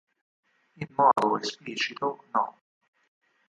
In modo esplicito, no.